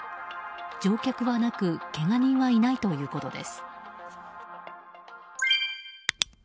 乗客はなくけが人はいないということです。